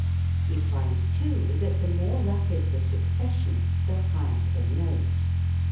We find, too, that the more rapid the succession the higher the note.